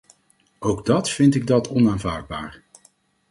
Ook dat vind ik dat onaanvaardbaar.